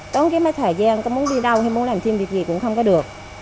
tốn cái mấy thời gian có muốn đi đâu hay muốn làm thêm việc gì cũng không có được